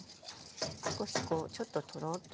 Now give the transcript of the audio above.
少しこうちょっとトローッと。